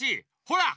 ほら！